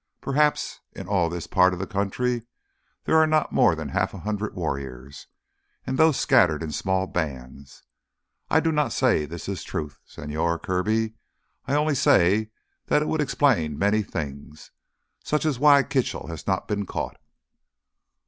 Perhaps in all this part of the country there are not more than half a hundred warriors—and those scattered in small bands. I do not say that this is truth, Señor Kirby. I only say that it would explain many things—such as why Kitchell has not been caught."